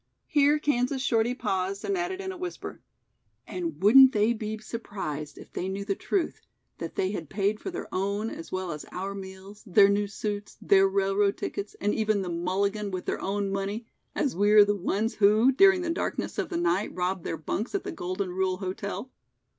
Here Kansas Shorty paused and added in a whisper, "And wouldn't they be surprised if they knew the truth, that they had paid for their own as well as our meals, their new suits, their railroad tickets, and even the mulligan with their own money, as we are the ones who, during the darkness of the night robbed their bunks at the Golden Rule Hotel?"